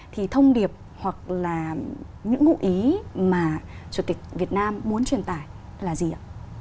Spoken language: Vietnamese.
thì thông điệp hoặc là những ngụ ý mà chủ tịch việt nam muốn truyền tải là gì ạ